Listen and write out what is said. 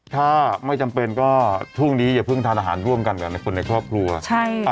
ถ้าไม่จำเป็นก็ช่วงนี้อย่าเพิ่งทานอาหารร่วมกันกับในคนในครอบครัวใช่ค่ะ